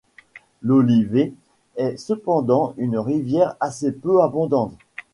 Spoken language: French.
L'Olivet est cependant une rivière assez peu abondante.